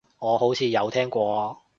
我好似有聽過